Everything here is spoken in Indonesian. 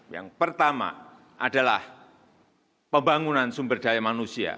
yang pertama adalah pembangunan sumber daya manusia